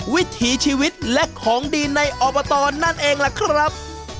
วิถีชีวิตและของดีในอบตนั่นเองล่ะครับ